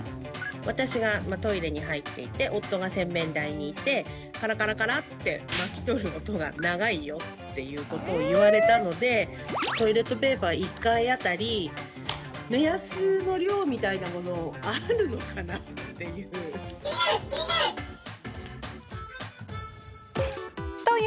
私がトイレに入っていて夫が洗面台にいてカラカラカラって巻き取る音が「長いよ」っていうことを言われたのでトイレットペーパー１回当たり目安の量みたいなものあるのかなっていう。